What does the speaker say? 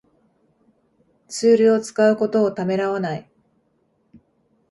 ツールを使うことをためらわない